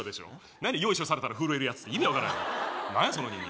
何よいしょされたら震えるやつって意味分からん何やその人間